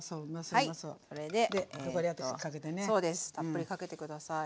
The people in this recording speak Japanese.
そうですたっぷりかけて下さい。